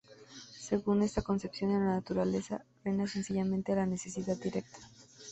Según esta concepción, en la naturaleza reina sencillamente la necesidad directa".